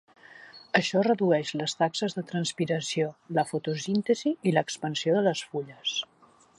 Això redueix les taxes de transpiració, la fotosíntesi i l'expansió de les fulles.